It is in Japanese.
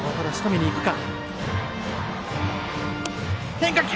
変化球！